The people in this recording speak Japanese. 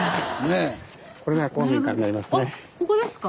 あっここですか？